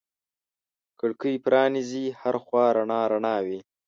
کړکۍ پرانیزې هر خوا رڼا رڼا وي